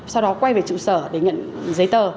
sau đó quay về trụ sở để nhận giấy tờ